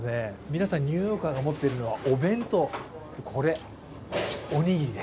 皆さん、ニューヨーカーが持っているのはお弁当。